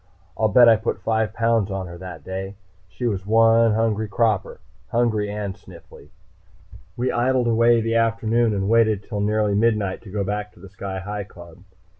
I'll bet I put five pounds on her that day. She was one hungry 'cropper. Hungry and sniffly. We idled away the afternoon and waited until nearly midnight to go back to the Sky Hi Club.